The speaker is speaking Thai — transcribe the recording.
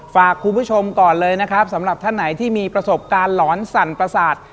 ฝากคุณผู้ชมก่อนเลยนะครับสำหรับท่านไหนที่มีประสบการณ์หลอนสั่นประสาท